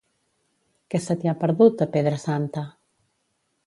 Què se t'hi ha perdut, a Pedra Santa?